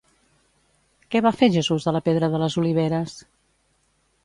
Què va fer Jesús a la pedra de les Oliveres?